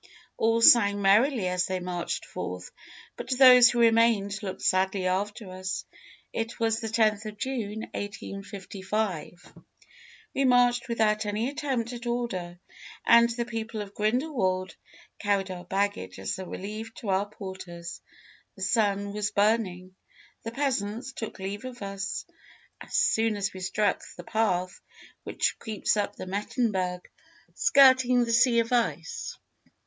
All sang merrily as they marched forth, but those who remained looked sadly after us. It was the 10th of June, 1855. "We marched without any attempt at order, and the people of Grindelwald carried our baggage as a relief to our porters. The sun was burning. The peasants took leave of us as soon as we struck the path which creeps up the Mettenberg, skirting the 'sea of ice.'